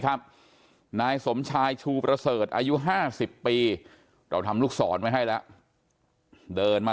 ครับนายสมชายชูประเสริฐอายุ๕๐ปีเราทำลูกศรไว้ให้แล้วเดินมา